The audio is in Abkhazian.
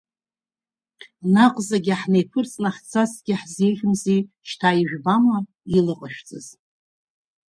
Наҟ зегьы ҳнеиԥырҵны ҳцазҭгьы ҳзеиӷьымзи, шьҭа ижәбама илыҟашәҵаз!